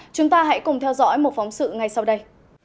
chúng ta hãy cùng theo dõi một phóng sự ngay sau đây